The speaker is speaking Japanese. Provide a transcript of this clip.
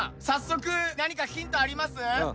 早速何かヒントあります？